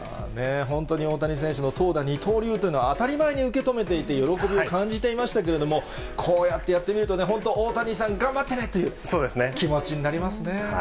本当に大谷選手の投打二刀流というのは当たり前に受け止めていて、喜びを感じていましたけれども、こうやってやってみるとね、本当、大谷さん、頑張ってねという気持ちになりますね。